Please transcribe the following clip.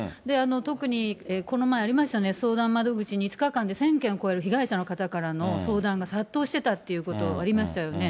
特にこの前ありましたね、相談窓口に５日間で１０００件を超える被害者の方からの相談が殺到してたっていうこと、ありましたよね。